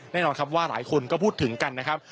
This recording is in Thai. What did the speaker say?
แน่นอนครับว่าหลายคนก็พูดถึงกันนะครับ